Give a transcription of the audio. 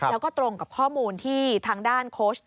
แล้วก็ตรงกับข้อมูลที่ทางด้านโค้ช